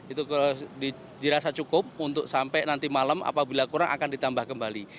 itu dirasa cukup untuk sampai nanti malam apabila kurang akan ditambah kembali